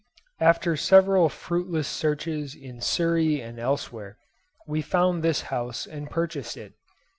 After several fruitless searches in Surrey and elsewhere, we found this house and purchased it.